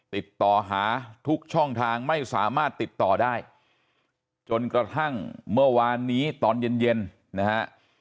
ติดต่อหาทุกช่องทางไม่สามารถติดต่อได้จนกระทั่งเมื่อวานนี้ตอนเย็นเย็นนะฮะ